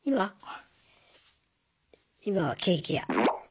今はケーキ屋。